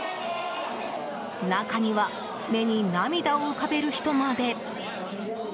中には、目に涙を浮かべる人まで。